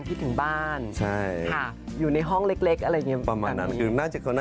พี่ถึงบ้านไปเหมือนกันนะ